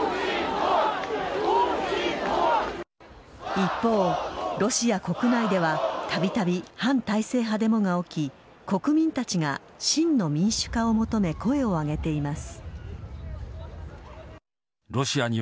一方、ロシア国内ではたびたび反体制派デモが起き国民たちが真の民主化を求め声を上げています。